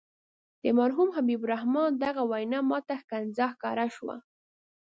د مرحوم حبیب الرحمن دغه وینا ماته ښکنځا ښکاره شوه.